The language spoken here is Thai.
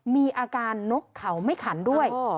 มีอาการนกเขาไม่ขันด้วย